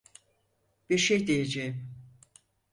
Bir şey diyeceğim.